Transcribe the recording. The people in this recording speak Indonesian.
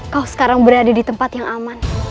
kau sekarang berada di tempat yang aman